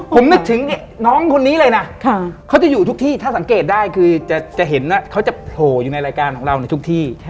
ผมนึกถึงน้องคนนี้เลยนะเขาจะอยู่ทุกที่ถ้าสังเกตได้คือจะเห็นว่าเขาจะโผล่อยู่ในรายการของเราในทุกที่